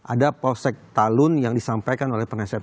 ada posek talun yang disampaikan oleh pengasiat